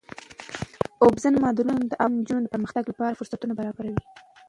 اوبزین معدنونه د افغان نجونو د پرمختګ لپاره فرصتونه برابروي.